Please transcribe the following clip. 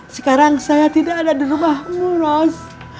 sekarang saya tidak ada di rumahmu ros